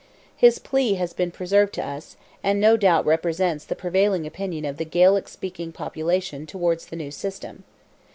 His plea has been preserved to us, and no doubt represents the prevailing opinion of the Gaelic speaking population towards the new system.